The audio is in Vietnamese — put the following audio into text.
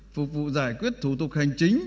phục vụ giải quyết thủ tục hành chính